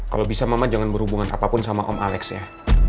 kalau bisa mama jangan berhubungan apapun sama om alex ya